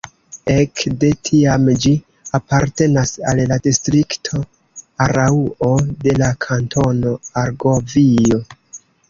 Ek de tiam ĝi apartenas al la distrikto Araŭo de la Kantono Argovio.